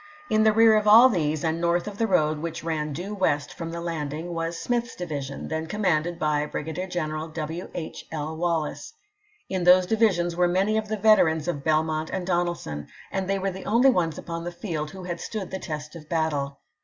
In the rear of all these, and north of the road which ran due west from the Lauding, was Smith's division, then commanded by Brigadier Greneral W. H. L. Wallace. In these divisions were many of the veterans of Belmont and Donelsou, and they were the only ones upon the field who had stood the test of battle.